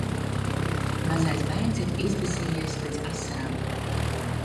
Mazais bērns ir izbesījies līdz asarām.